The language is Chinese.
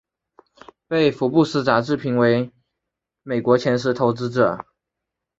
被福布斯杂志评选为美国前十投资者。